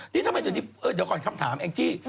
นี่ทำไมจนที่เออเดี๋ยวก่อนคำถามแองจี้